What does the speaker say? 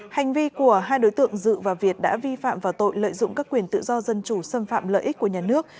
hành vi của hai đối tượng dự và việt đã vi phạm vào tội lợi dụng các quyền tự do dân chủ xâm phạm lợi ích của nhà nước